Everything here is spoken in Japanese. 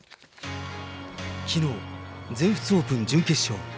きのう、全仏オープン準決勝。